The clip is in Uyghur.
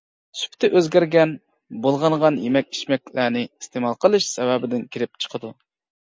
سۈپىتى ئۆزگەرگەن، بۇلغانغان يېمەك-ئىچمەكلەرنى ئىستېمال قىلىش سەۋەبىدىن كېلىپ چىقىدۇ.